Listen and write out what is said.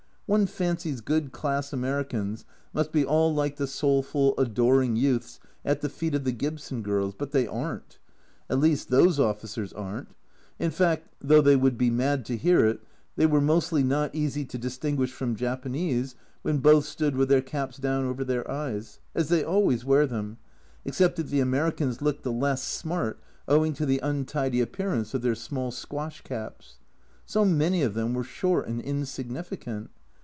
One fancies good class Americans must be all like the soulful adoring youths at the feet of the Gibson girls, but they aren't at least those officers aren't. In fact, though they would be mad to hear it, they were mostly not easy to distinguish from Japanese when both stood with their caps down over their eyes, as they always wear them, except that the Americans looked the less smart owing to the untidy appearance of their small squash caps. So many of them were short and insignificant.